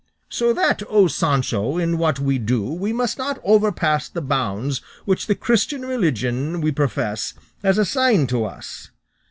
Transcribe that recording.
So that, O Sancho, in what we do we must not overpass the bounds which the Christian religion we profess has assigned to us.